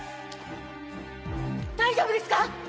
大丈夫ですか？